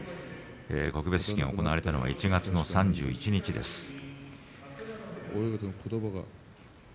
告別式が行われたのは１月３１日です。